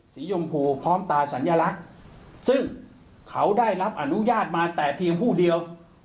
ยมพูพร้อมตาสัญลักษณ์ซึ่งเขาได้รับอนุญาตมาแต่เพียงผู้เดียว